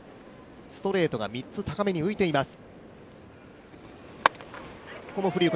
ストレートが３つ高めに浮いてます